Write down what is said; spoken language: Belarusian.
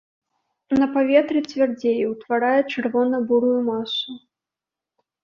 На паветры цвярдзее, утварае чырвона-бурую масу.